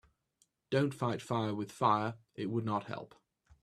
Don‘t fight fire with fire, it would not help.